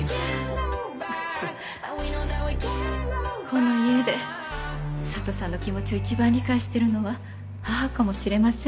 この家で佐都さんの気持ちを一番理解しているのは母かもしれません。